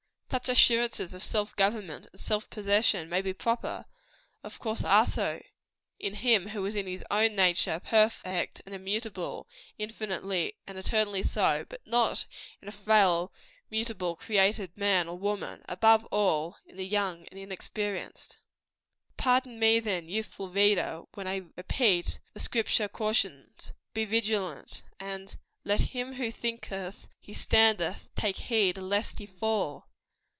Such assurances of self government and self possession may be proper of course are so in Him who is in his own nature perfect and immutable infinitely and eternally so; but not in a frail, mutable, created man or woman above all, in the young and inexperienced. Pardon me, then, youthful reader, when I repeat the Scripture cautions "Be vigilant;" and "Let him who thinketh he standeth, take heed lest he fall."